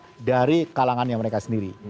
setidaknya dari kalangan yang mereka sendiri